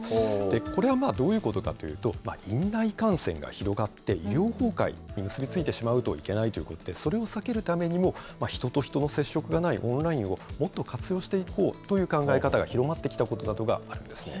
これはどういうことかというと、院内感染が広がって、医療崩壊に結び付いてしまうといけないということで、それを避けるためにも、人との人との接触がないオンラインを、もっと活用していこうという考え方が広まってきたことなどがあるんです。